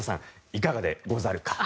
いかがでござるか？